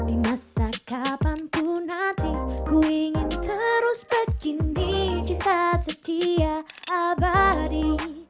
di masa kapanpun nanti ku ingin terus begini cinta setia abadi